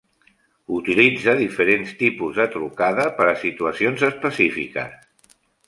Utilitza diferents tipus de trucada per a situacions específiques.